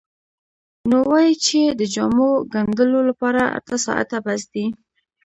نو وایي چې د جامو ګنډلو لپاره اته ساعته بس دي.